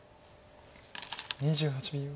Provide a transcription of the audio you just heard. ２８秒。